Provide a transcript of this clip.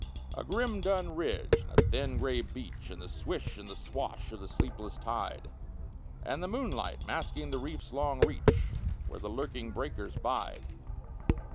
A grim dun ridge, and a thin gray beach, And the swish and the swash of the sleepless tide; And the moonlight masking the reef's long reach, Where the lurking breakers bide.